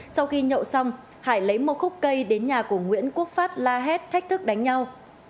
sau khi nhậu xong hải lấy một khúc cây đến nhà của nguyễn quốc phát la hét thách thức đánh nhau